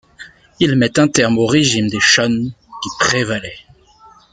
Il met un terme au régime des Shōen qui prévalait.